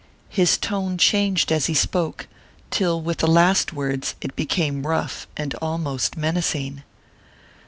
His tone changed as he spoke, till with the last words it became rough and almost menacing.